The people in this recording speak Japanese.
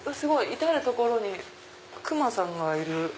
至る所にクマさんがいる。